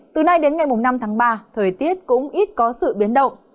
từ nay đến ngày năm tháng ba thời tiết cũng ít có sự biến động